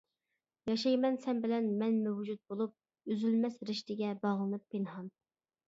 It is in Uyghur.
ياشايمەن سەن بىلەن مەن مەۋجۇت بولۇپ، ئۈزۈلمەس رىشتىگە باغلىنىپ پىنھان!